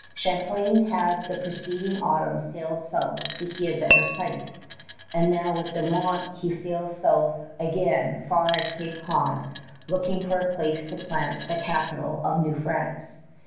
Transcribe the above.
Champlain had the preceding autumn sailed south seeking a better site; and now with De Monts he sails south again far as Cape Cod, looking for a place to plant the capital of New France.